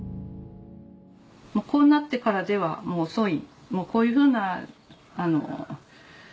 こうなってからではもう遅い。